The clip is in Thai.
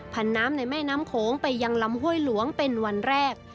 น้ำในแม่น้ำโขงไปยังลำห้วยหลวงเป็นวันแรก